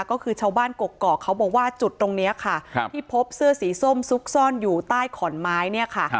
ก็คือชาวบ้านกกอกเขาบอกว่าจุดตรงนี้ค่ะที่พบเสื้อสีส้มซุกซ่อนอยู่ใต้ขอนไม้เนี่ยค่ะ